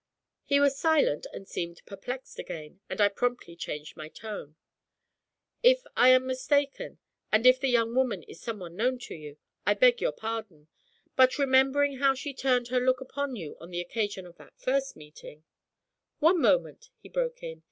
He was silent and seemed perplexed again, and I promptly changed my tone. 'If I am mistaken, and if the young woman is someone you know, I beg your pardon; but, remembering how she turned her look upon you on the occasion of that first meeting ' 'One moment,' he broke in.